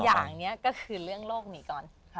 อันอย่างนี้ก็คือเรื่องโลกหนังก้อน